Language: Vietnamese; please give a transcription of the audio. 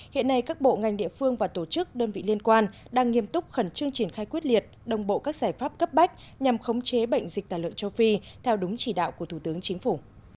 hiện nay các bộ ngành địa phương và tổ chức đơn vị liên quan đang nghiêm túc khẩn trương triển khai quyết liệt đồng bộ các giải pháp cấp bách nhằm khống chế bệnh dịch tả lợn châu phi theo đúng chỉ đạo của thủ tướng chính phủ